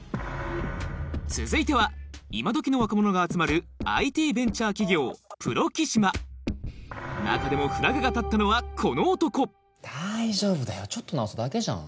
続いては今どきの若者が集まるＩＴベンチャー企業プロキシマ中でもフラグが立ったのはこの男大丈夫だよちょっと直すだけじゃん。